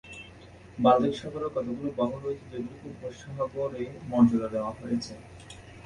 Baltic সাগরের কতগুলো বাহু রয়েছে যেগুলোকে উপসাগরে মর্যাদা দেওয়া হয়েছে।